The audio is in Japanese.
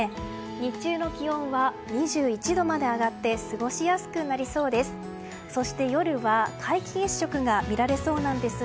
日中の気温は２１度まで上がって過ごしやすくなりそうです。